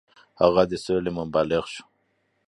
هغه د سولې مبلغ شو.